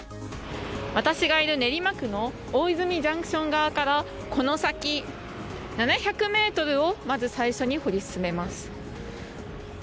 私がいる練馬区の大泉ジャンクション側からこの先７００ｍをまず最初に掘り進めます。